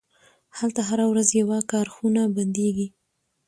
هلته هره ورځ یوه کارخونه بندیږي